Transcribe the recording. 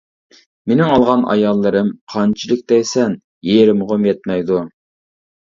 مىنىڭ ئالغان ئاياللىرىم قانچىلىك دەيسەن يېرىمىغىمۇ يەتمەيدۇ.